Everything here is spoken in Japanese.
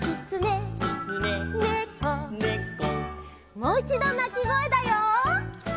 もういちどなきごえだよ。